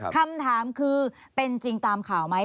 คำถามคือเป็นจริงตามข่าวไหม